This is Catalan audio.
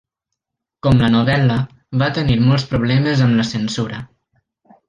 Com la novel·la, va tenir molts problemes amb la censura.